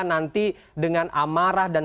nanti dengan amarah dan